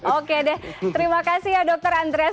oke deh terima kasih ya dokter andreas